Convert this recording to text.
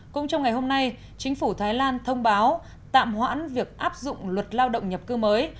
cũng trong ngày hôm nay chính phủ thái lan thông báo tạm hoãn việc áp dụng luật lao động nhập cư mới